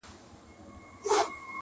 بیا نارې د یا قربان سوې له کیږدیو-